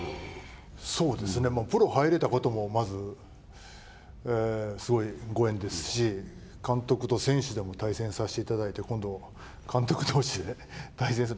そうですね、プロに入れたこともすごいご縁ですし監督と選手でも対戦させていただいて、今度は監督どうしで対戦する。